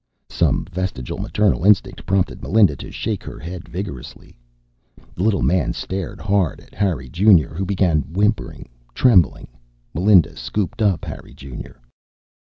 Some vestigial maternal instinct prompted Melinda to shake her head vigorously. The little man stared hard at Harry Junior, who began whimpering. Trembling, Melinda scooped up Harry Junior.